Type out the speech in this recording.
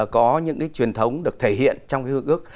có những cái truyền thống được thể hiện trong cái hương ước